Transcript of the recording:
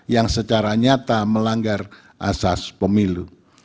yang secara nyata melanggar asas pemilu